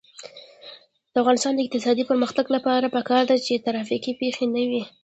د افغانستان د اقتصادي پرمختګ لپاره پکار ده چې ترافیکي پیښې نه وي.